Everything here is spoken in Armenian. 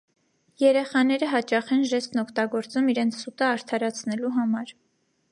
Երեխաները հաճախ են ժեստն օգտագործում իրենց սուտը արդարացնելու համար։